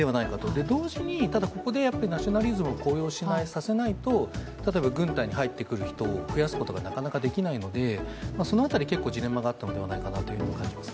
同時に、ここでナショナリズムを高揚させないと例えば軍隊に入ってくる人を増やすことがなかなかできないのでその辺り、結構ジレンマがあったのではないかと思います。